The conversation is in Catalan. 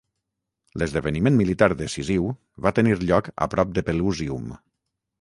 L'esdeveniment militar decisiu va tenir lloc a prop de Pelusium.